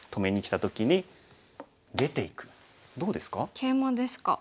ケイマですか。